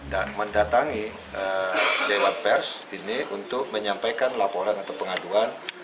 dan mendatangi dewan pers ini untuk menyampaikan laporan atau pengaduan